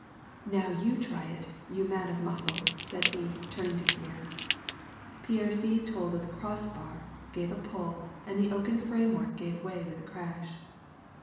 " Now you try it, you man of muscle/' said he, turning to Pierre. Pierre seized hold of the cross bar, gave a pull, and the oaken framework gave way with a crash.